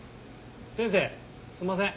先生すんません。